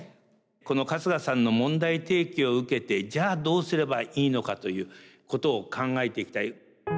この春日さんの問題提起を受けてじゃあどうすればいいのかということを考えていきたい。